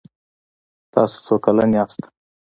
تاسو څو کلن یې؟